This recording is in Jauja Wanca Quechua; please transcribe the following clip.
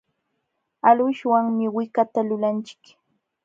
Alwishwanmi wikata lulanchik.